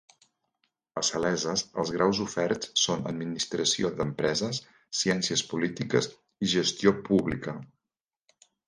A Saleses, els graus oferts són Administració d'Empreses, Ciències Polítiques i Gestió Pública.